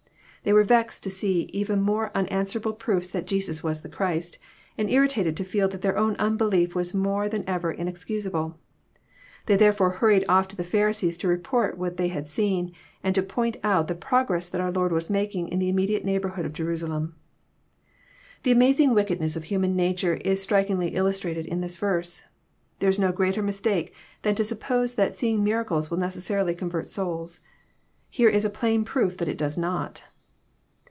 They were vexed to see even more un answerable proofs that Jesus was the Christ, and irritated to feel that their own unbelief was more than ever inexcusable. They therefore hurried off to the Pharisees to report what they had seen, and to point out the progress that our Lord was making in the immediate neighborhood of Jerusalem. The amazing wickedness of human nature is strikingly Illus trated in this verse. There is no greater mistake than to sup pose that seeing miracles will necessarily convert souls. Here is a plain proof that it does not.